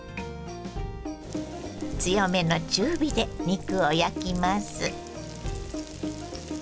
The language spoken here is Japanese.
強めの中火で肉を焼きます。